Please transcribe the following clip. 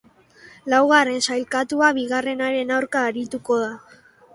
Laugarren sailkatua bigarrenaren aurka arituko da.